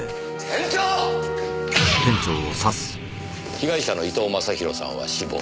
被害者の伊藤昌洋さんは死亡。